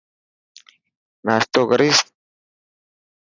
ناشتو ڪريس.